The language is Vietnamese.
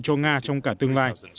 cho nga trong cả tương lai